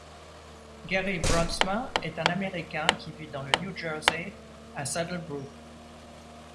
Gary Brolsma est un Américain qui vit dans le New Jersey, à Saddle Brook.